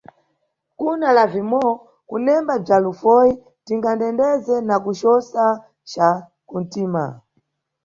Kuna Lavimó, kunemba bzwa lufoyi tingandendeze na kucosa ca kuntima.